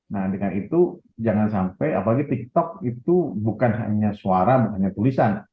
nah dengan itu jangan sampai apalagi tiktok itu bukan hanya suara bukan hanya tulisan